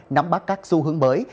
nắm bắt các xu hướng mới